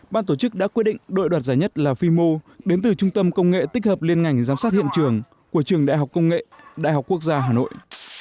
ban tổ chức đã quyết định đội đoạt giải nhất là fimo đến từ trung tâm công nghệ tích hợp liên ngành giám sát hiện trường của trường đại học công nghệ đại học quốc gia hà nội